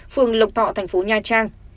phường lộc thọ thành phố nha trang